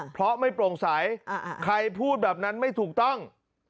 เพราะไม่โปร่งใสใครพูดแบบนั้นไม่ถูกต้อง